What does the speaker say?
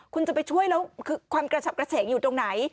คุณจะไปช่วยแล้วคือความกระฉับกระเฉงอยู่ตรงไหน